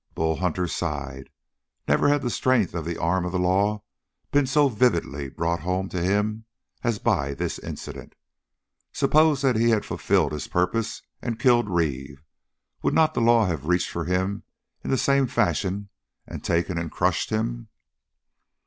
Bull Hunter sighed. Never had the strength of the arm of the law been so vividly brought home to him as by this incident. Suppose that he had fulfilled his purpose and killed Reeve? Would not the law have reached for him in the same fashion and taken and crushed him?